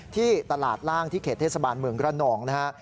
ที่ตลาดล่างที่เขตเทศบาลเมืองระนองนะฮะ